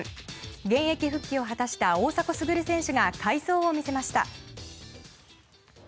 現役復帰を果たした大迫傑選手が快走を見せました。